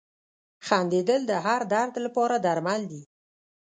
• خندېدل د هر درد لپاره درمل دي.